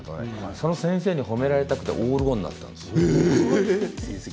その先生に褒められたくてオール５になったんですよ。